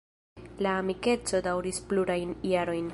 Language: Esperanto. La amikeco daŭris plurajn jarojn.